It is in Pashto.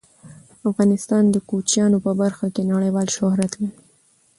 افغانستان د کوچیانو په برخه کې نړیوال شهرت لري.